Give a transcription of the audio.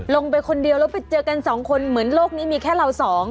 ลงไปคนนี้แล้วเจอกัน๒คนเหมือนโลกนี้มีแค่เรา๒